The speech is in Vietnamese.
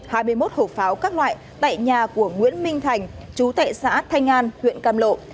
hai mươi một hộp pháo các loại tại nhà của nguyễn minh thành chú tại xã thanh an huyện cam lộ